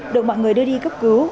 được mọi người đưa đi cấp cứu